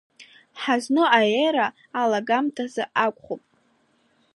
Ҳазну аера алагамҭазы акәхуп.